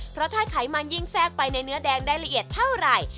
เพราะถ้าไขมันยิ่งแทรกไปในเนื้อแดงได้ละเอียดเท่าไหร่